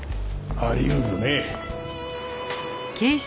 あり得るね。